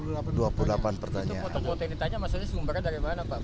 itu foto foto yang ditanya maksudnya sumbernya dari mana pak